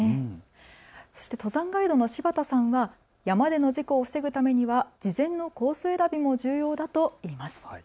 そして登山ガイドの芝田さんは山での事故を防ぐためには事前のコース選びも重要だといいます。